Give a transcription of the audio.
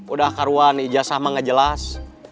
udah karuan ijazah sama gak jelas